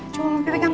cuma mampir yang